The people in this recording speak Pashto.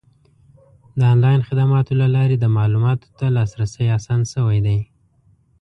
د آنلاین خدماتو له لارې د معلوماتو ته لاسرسی اسان شوی دی.